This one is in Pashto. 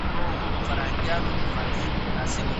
د خدای پاماني شېبې ډېرې په زړه پورې وې.